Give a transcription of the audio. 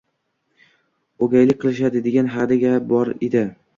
O`gaylik qilishadi, degan hadigi bor edi